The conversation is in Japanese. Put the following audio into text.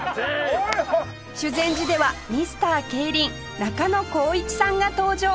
修善寺ではミスター競輪中野浩一さんが登場